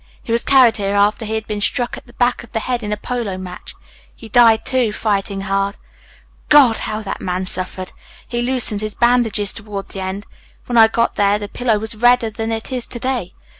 He was carried here after he had been struck at the back of the head in a polo match. He died, too, fighting hard. God! How the man suffered. He loosened his bandages toward the end. When I got here the pillow was redder than it is to day.